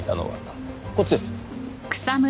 こっちです。